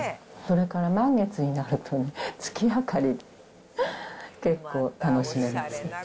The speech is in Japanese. これから満月になるとね、月明かり、結構楽しめます。